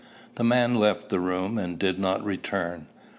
The man left the room, and did not return.